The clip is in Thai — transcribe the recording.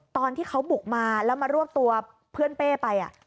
ตอนที่เขาบุกมาแล้วมารวบตัวเพื่อนเป้ไป